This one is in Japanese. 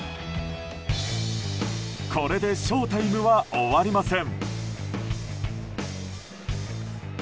これでショウタイムは終わりません。